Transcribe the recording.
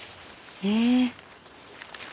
へえ。